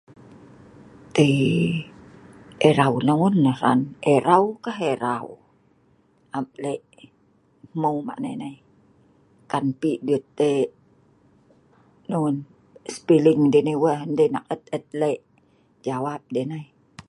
tei erau non nah hran erau ka erau am lek hmeu ma nei nai kan pi dut dei non spelling deh nei weh dei neh ek et et lek jawab deh nai